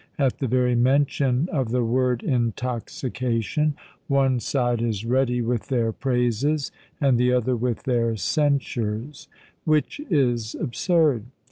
At the very mention of the word intoxication, one side is ready with their praises and the other with their censures; which is absurd.